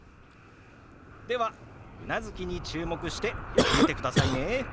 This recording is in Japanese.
ではうなずきに注目してよく見てくださいね。